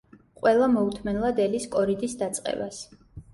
ყველა მოუთმენლად ელის კორიდის დაწყებას.